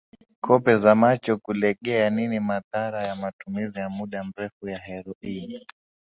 kope za macho kulegeaNini madhara ya matumizi ya muda mrefu ya heroin